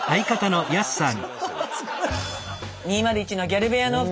２０１のギャル部屋のお二人。